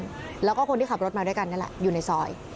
แล้วก็คนที่ขับรถมาด้วยกันนั่นแหละอยู่ในซอย